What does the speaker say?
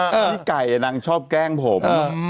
พี่ไก่นางชอบแกล้งผม